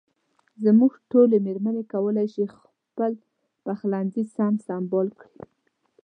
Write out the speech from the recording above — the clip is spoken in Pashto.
زموږ ټولې مېرمنې کولای شي خپل پخلنځي سم سنبال کړي.